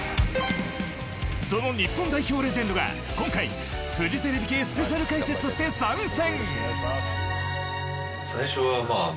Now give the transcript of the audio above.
その日本代表レジェンドが今回フジテレビ系スペシャル解説として参戦。